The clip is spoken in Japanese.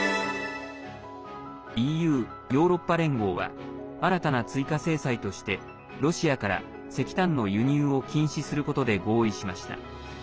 ＥＵ＝ヨーロッパ連合は新たな追加制裁としてロシアから石炭の輸入を禁止することで合意しました。